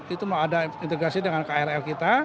itu mau ada integrasi dengan krl kita